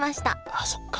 あそっか！